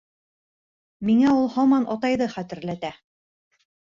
Миңә ул һаман атайҙы хәтерләтә.